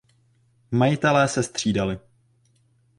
Majitelé se střídali.